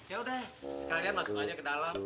yaudah sekalian masuk aja ke dalam